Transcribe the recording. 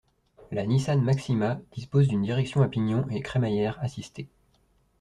La Nissan Maxima dispose d'une direction à pignon et crémaillère assistée.